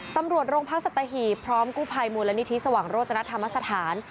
ตำรวจโรงพักสัตหีบพร้อมกู้ภัยมูลนิธิสว่างโรจนธรรมสถาน